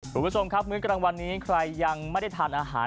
คุณผู้ชมครับมื้อกลางวันนี้ใครยังไม่ได้ทานอาหาร